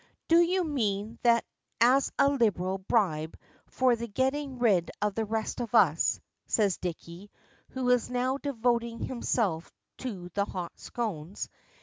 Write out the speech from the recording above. "Do you mean that as a liberal bribe for the getting rid of the rest of us," says Dicky, who is now devoting himself to the hot scones.